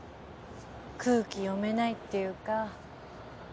空気読めないっていうか。